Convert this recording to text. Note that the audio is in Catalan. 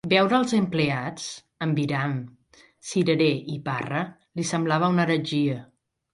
Veure'ls empleats, en viram, cirerer i parra, li semblava una heretgia.